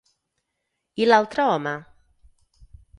I l'altre home?